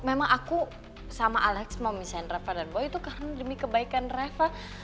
memang aku sama alec mau misahkan reva dan boy itu karena demi kebaikan reva